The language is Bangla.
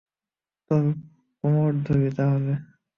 তোমার কোমড় ধরি তাহলে?